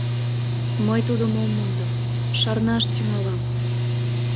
— Мый тыйым ом мондо, шарнаш тӱҥалам!..